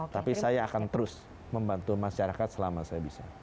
tapi saya akan terus membantu masyarakat selama saya bisa